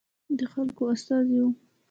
د خلکو استازي وو.